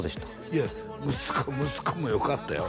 いや息子息子もよかったよ